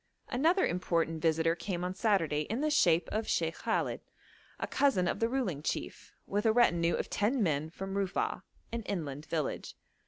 Another important visitor came on Saturday in the shape of Sheikh Khallet, a cousin of the ruling chief, with a retinue of ten men, from Rufa'a, an inland village.